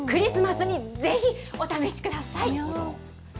クリスマスにぜひお試しください。